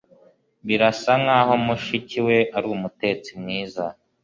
Birasa nkaho mushiki we ari umutetsi mwiza